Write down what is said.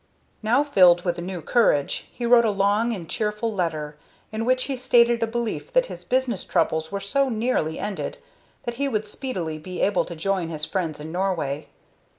Now filled with a new courage, he wrote a long and cheerful letter, in which he stated a belief that his business troubles were so nearly ended that he would speedily be able to join his friends in Norway.